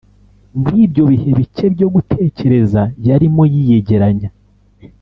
muri ibyo bihe bike byo gutekereza yarimo yiyegeranya,